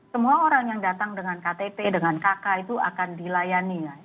semua orang yang datang dengan ktp dengan kk itu akan dilayani